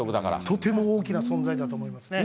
とても大きな存在だと思いますね。